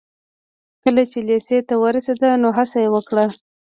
کله چې لېسې ته ورسېد نو هڅه يې وکړه.